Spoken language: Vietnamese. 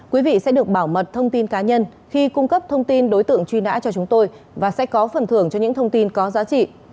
quý vị sẽ được bảo mật thông tin cá nhân khi cung cấp thông tin đối tượng truy nã cho chúng tôi và sẽ có phần thưởng cho những thông tin có giá trị